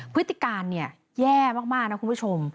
พฤติการแย่มากนะคุณผู้ชม